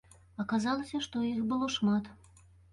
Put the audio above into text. Аказалася, што іх было шмат.